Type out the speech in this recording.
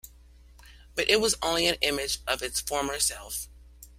But it was only an image of its former self.